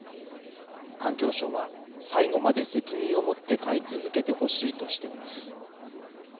環境省は、最後まで責任を持って飼い続けてほしいとしています。